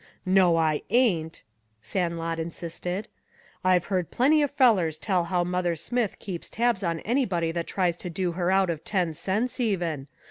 "No, I ain't," Sandlot insisted. "I've heard plenty of fellers tell how Mother Smith keeps tabs on anybody that tries to do her out of ten cents even.